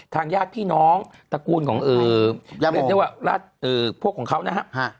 ทางญาติพี่น้องตระกูลของพวกเขานะฮะ